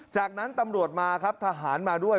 จากนั้นตำรวจมาครับทหารมาด้วย